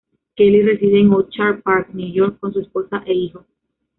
Kelly reside en Orchard Park, New York, con su esposa e hijos.